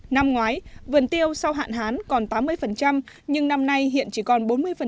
năm ngoái vườn tiêu sau hạn hán còn tám mươi nhưng năm nay hiện chỉ còn bốn mươi